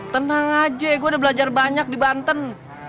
tenang aja gue udah belajar banyak di banten